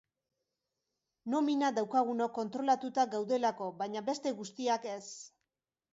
Nomina daukagunok kontrolatuta gaudelako, baina beste guztiak ez.